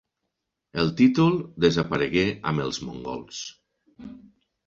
El títol desaparegué amb els mongols.